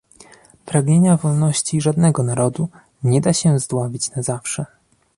Pragnienia wolności żadnego narodu nie da się zdławić na zawsze